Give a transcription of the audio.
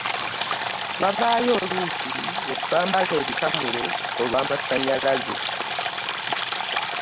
Wabaayo oluusi bwe twambala ebikamulo olw'amasannyalaze.